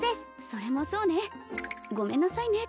それもそうねごめんなさいね